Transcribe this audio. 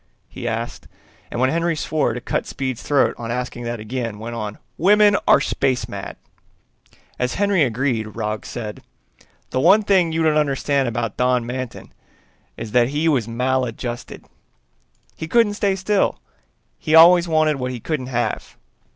he asked, and when Henry swore to cut Speed's throat on asking that again, went on, "Women are space mad!" As Henry agreed, Roggs said, "The one thing you don't understand about Don Manton is that he was maladjusted. He couldn't stay still, he always wanted what he couldn't have.